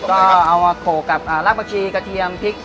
ก็เอามาโขกกับรากผักชีกระเทียมพริก